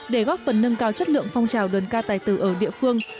để góp phần nâng cao chất lượng phong trào đơn ca tài tử ở địa phương